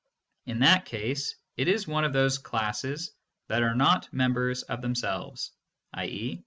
If it is not, it is not one of those classes that are not members of themselves, i.e.